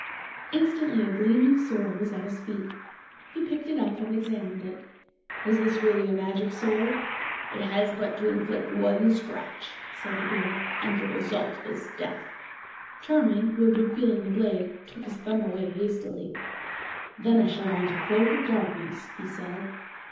Instantly a gleaming sword was at his feet. He picked it up and examined it. "Is this really a magic sword?" "It has but to inflict one scratch," said the dwarf, "and the result is death." Charming, who had been feeling the blade, took his thumb away hastily. "Then I shall want a cloak of darkness," he said.